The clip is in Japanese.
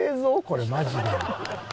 これマジで。